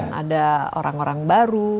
ada orang orang baru